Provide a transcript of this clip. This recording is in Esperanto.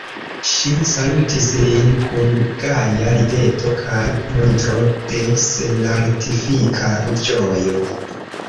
Ŝi salutis lin kun gaja rideto kaj montro de senartifika ĝojo.